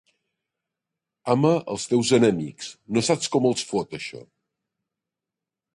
Ama els teus enemics: no saps com els fot, això.